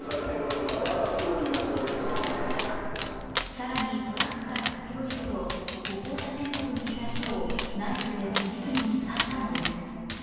更にトラックから飛び降りると、歩行者天国にいた人をナイフで次々に刺したのです。